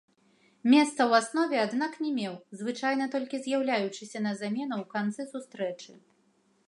Месца ў аснове, аднак, не меў, звычайна толькі з'яўляючыся на замену ў канцы сустрэчы.